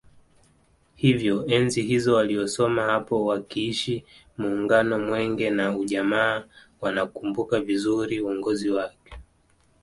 Hivyo enzi hizo waliosoma hapo wakiishi Muungano Mwenge na Ujamaa wanakumbuka vizuri uongozi wake